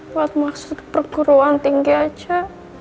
buat masuk perguruan tinggi aja